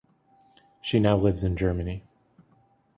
She now lives in Germany.